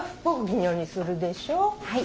はい。